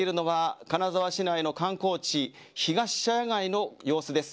今、ご覧いただいているのは金沢市内の観光地ひがし茶屋街の様子です。